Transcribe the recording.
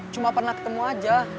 cuma pernah ketemu aja